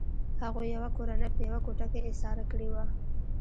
هغوی یوه کورنۍ په یوه کوټه کې ایساره کړې وه